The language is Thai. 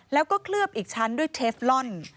แล้วก็เคลือบอีกชั้นด้วยเทฟลอน